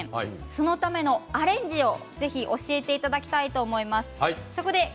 そのためのアレンジを教えていただきたいと思います。